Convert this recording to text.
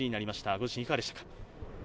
ご自身でいかがですか。